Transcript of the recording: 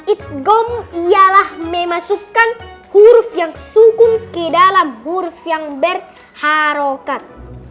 it gom ialah memasukkan huruf yang sukun ke dalam huruf yang berharokan